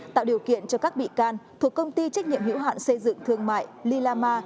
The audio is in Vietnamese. tạo điều kiện cho các bị can thuộc công ty trách nhiệm hữu hạn xây dựng thương mại lila ma